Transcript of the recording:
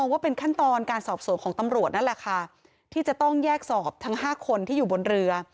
ว่าเป็นขั้นตอนการสอบสวนของตำรวจนั่นแหละค่ะที่จะต้องแยกสอบทั้ง๕คนที่อยู่บนเรือ